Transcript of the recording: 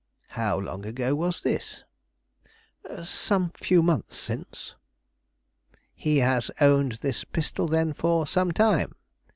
"How long ago was this?" "Some few months since." "He has owned this pistol, then, for some time?"